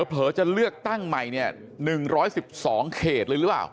เผลอจะเลือกตั้งใหม่เนี่ย๑๑๒เขตเลยหรือเปล่า